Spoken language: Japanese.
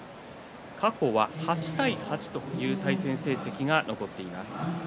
過去は８対８と対戦成績が残っています。